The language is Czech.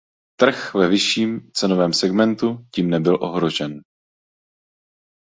Trh ve vyšším cenovém segmentu tím nebyl ohrožen.